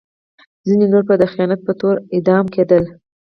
ځینې نور به د خیانت په تور اعدام کېدل.